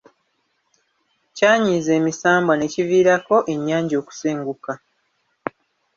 Kyanyiiza emisambwa ne kiviirako ennyanja okusenguka.